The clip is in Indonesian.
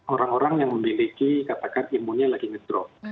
orang orang yang memiliki katakan imunnya lagi ngedrop